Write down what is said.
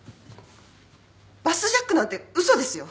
バスジャックなんて嘘ですよ。